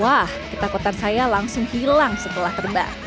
wah ketakutan saya langsung hilang setelah terbang